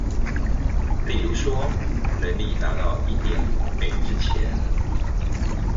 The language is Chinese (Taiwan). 例如說人力達到一點五倍之前